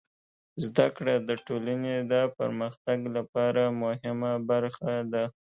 زدهکړه د ټولنې د پرمختګ لپاره مهمه برخه ده.